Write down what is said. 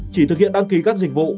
chỉ thực hiện đăng ký các dịch vụ